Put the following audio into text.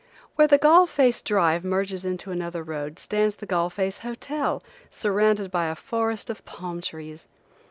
Where the Galle Face drive merges into another road, stands the Galle Face Hotel surrounded by a forest of palm trees.